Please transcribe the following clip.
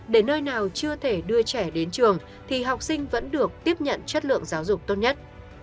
để nơi nào chưa thể đưa trẻ đến trường thì học sinh vẫn được tiếp nhận chất lượng giáo dục tốt nhất